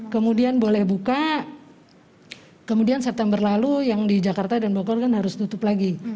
kemudian boleh buka kemudian september lalu yang di jakarta dan bogor kan harus tutup lagi